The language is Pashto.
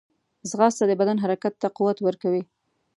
ځغاسته د بدن حرکت ته قوت ورکوي